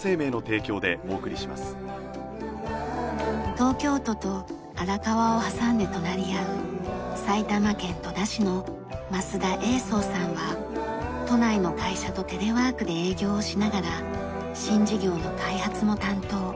東京都と荒川を挟んで隣り合う埼玉県戸田市の益田栄壮さんは都内の会社とテレワークで営業をしながら新事業の開発も担当。